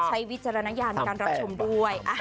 วิจารณญาณในการรับชมด้วย